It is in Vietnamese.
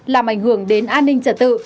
làm ảnh hưởng đến an ninh trật tự